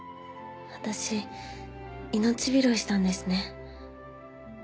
私命拾いしたんですね。